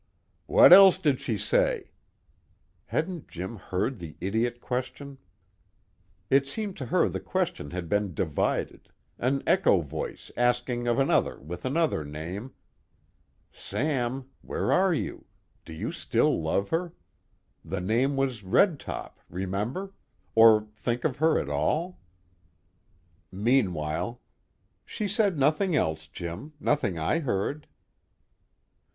"What else did she say?" Hadn't Jim heard the idiot question? It seemed to her the question had been divided, an echo voice asking of another with another name: Sam (where are you?) do you still love her (the name was Red Top, remember?) or think of her at all? Meanwhile "She said nothing else, Jim, nothing I heard."